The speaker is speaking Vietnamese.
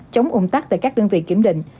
chống ung tắc tại các đơn vị kiểm định